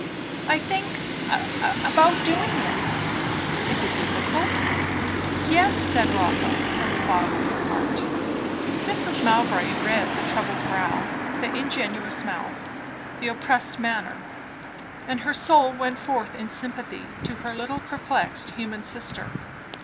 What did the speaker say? "I think about doing it." "Is it difficult?" "Yes," said Rotha from the bottom of her heart. Mrs. Mowbray read the troubled brow, the ingenuous mouth, the oppressed manner; and her soul went forth in sympathy to her little perplexed human sister.